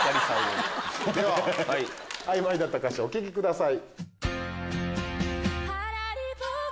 ではあいまいだった歌詞お聴きください。